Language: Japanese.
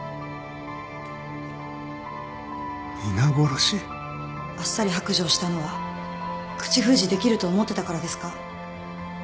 皆殺し？あっさり白状したのは口封じできると思ってたからですか？